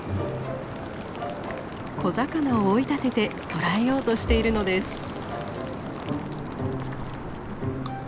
小魚を追い立てて捕らえようとしているのです。